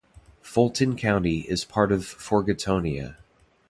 Fulton County is part of Forgottonia.